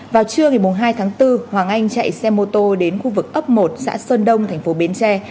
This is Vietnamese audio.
vào trưa ngày hai tháng bốn hoàng anh chạy xe mô tô đến khu vực ấp một xã sơn đông thành phố bến tre